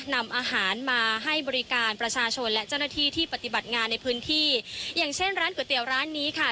นำอาหารมาให้บริการประชาชนและเจ้าหน้าที่ที่ปฏิบัติงานในพื้นที่อย่างเช่นร้านก๋วยเตี๋ยวร้านนี้ค่ะ